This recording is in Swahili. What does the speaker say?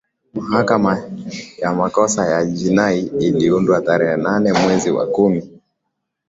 mahakama ya makosa ya jinai iliundwa tarehe nane mwezi wa kumi